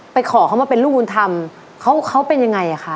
ไปขอเขามาเป็นลูกมูลธรรมเขาเป็นยังไงอะคะ